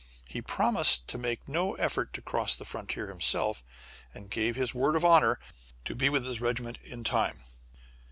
He promised to make no effort to cross the frontier himself, and gave his word of honor to be with his regiment in time.